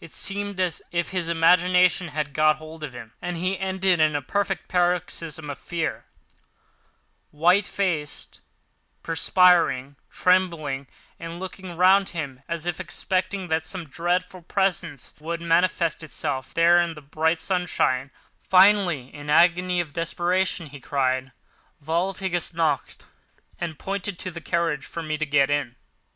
It seemed as if his imagination had got hold of him, and he ended in a perfect paroxysm of fear—white faced, perspiring, trembling and looking round him, as if expecting that some dreadful presence would manifest itself there in the bright sunshine on the open plain. Finally, in an agony of desperation, he cried: "Walpurgis nacht!" and pointed to the carriage for me to get in.